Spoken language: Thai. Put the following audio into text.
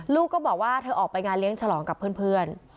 ลูกก็บอกว่าเธอออกไปงานเลี้ยงฉลองกับเพื่อน